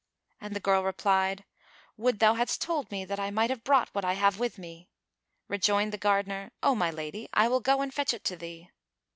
And the girl replied, "Would thou hadst told me, that I might have brought what I have with me!" Rejoined the gardener, "O my lady, I will go and fetch it to thee."